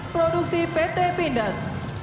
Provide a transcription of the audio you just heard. produksi pt pindad